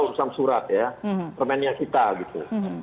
urusan surat ya permennya kita gitu